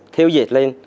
theo dệt lên